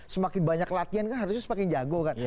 semakin banyak latihan kan harusnya semakin jago kan